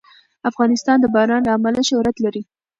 افغانستان د باران له امله شهرت لري.